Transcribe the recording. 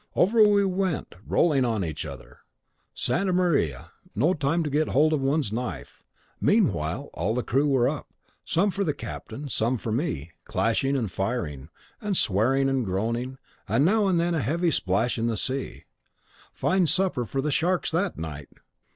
Over we went, rolling each on the other. Santa Maria! no time to get hold of one's knife. Meanwhile all the crew were up, some for the captain, some for me, clashing and firing, and swearing and groaning, and now and then a heavy splash in the sea. Fine supper for the sharks that night!